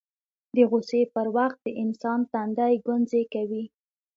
د غوسې پر وخت د انسان تندی ګونځې کوي